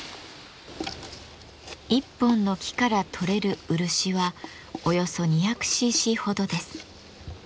一本の木からとれる漆はおよそ２００ｃｃほどです。